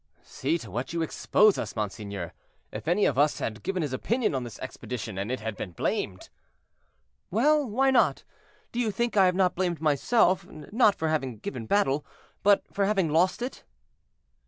"See to what you exposed us, monseigneur, if any of us had given his opinion on this expedition, and it had been blamed." "Well, why not? do you think I have not blamed myself, not for having given battle, but for having lost it."